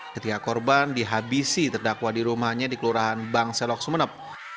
ketiga korban dihabisi terdakwa di rumahnya di kelurahan bangselok sumeneb